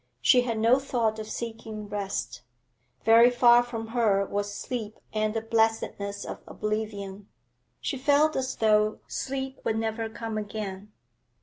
She had no thought of seeking rest; very far from her was sleep and the blessedness of oblivion. She felt as though sleep would never come again.